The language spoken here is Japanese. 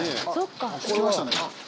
着きましたね。